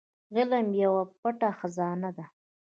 علم يوه پټه خزانه ده.